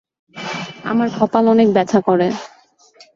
আমার কপাল অনেক ব্যথা করে।